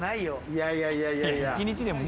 いやいやいやいや。